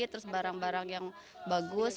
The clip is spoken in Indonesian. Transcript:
terus barang barang yang bagus